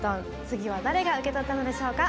次は誰が受け取ったのでしょうか。